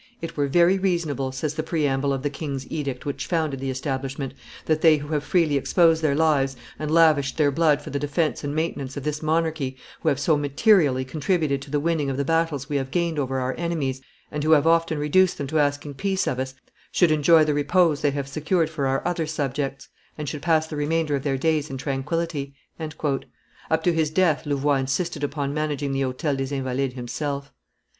"It were very reasonable," says the preamble of the king's edict which founded the establishment, "that they who have freely exposed their lives and lavished their blood for the defence and maintenance of this monarchy, who have so materially contributed to the winning of the battles we have gained over our enemies, and who have often reduced them to asking peace of us, should enjoy the repose they have secured for our other subjects, and should pass the remainder of their days in tranquillity." Up to his death Louvois insisted upon managing the Hotel des Invalides himself.